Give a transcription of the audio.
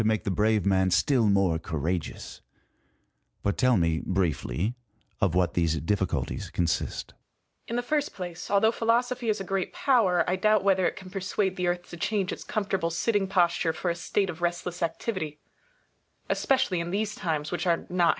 In the first place, although philosophy is a great power, I doubt whether it can persuade the Earth to change its comfortable sitting posture for a state of restless activity; especially in these times, which are not heroic.